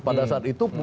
pada saat itu